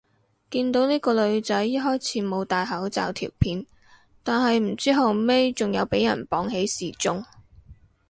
見到呢個女仔一開始冇戴口罩條片，但係唔知後尾仲有俾人綁起示眾